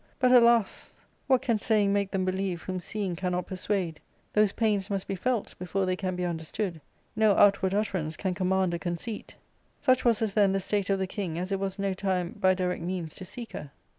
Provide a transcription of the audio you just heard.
But, alas ! what can saying make them believe whom seeing cannot persuade ? Those pains must be felt before they can be understood ; no outward utterance can command a conceit. Such was as th*en the state of the king as it was no time by direct means to seek her.